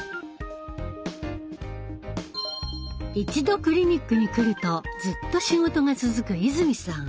一度クリニックに来るとずっと仕事が続く泉さん。